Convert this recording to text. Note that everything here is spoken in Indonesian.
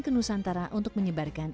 ke nusantara untuk menyebarkan